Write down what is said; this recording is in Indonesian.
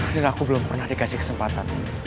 dan aku belum pernah dikasih kesempatan